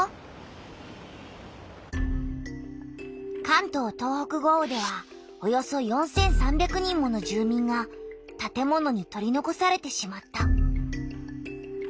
関東・東北豪雨ではおよそ４３００人もの住みんがたて物に取りのこされてしまった。